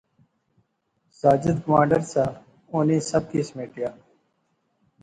ساجد کمانڈر سا، انی سب کی سمیٹیا